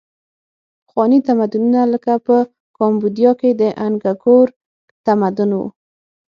پخواني تمدنونه لکه په کامبودیا کې د انګکور تمدن و.